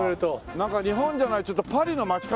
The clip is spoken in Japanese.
なんか日本じゃないちょっとパリの街角。